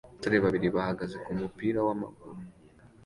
Abasore babiri bahagaze kumupira wamaguru